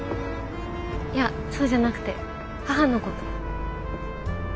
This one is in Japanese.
いやそうじゃなくて母のこと。